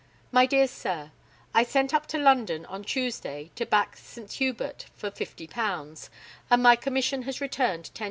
"My dear Sir, I sent up to London on Tuesday to back St. Hubert for £50, and my commission has returned 10s.